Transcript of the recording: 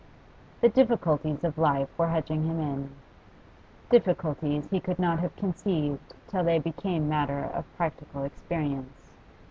The difficulties of life were hedging him in difficulties he could not have conceived till they became matter of practical experience.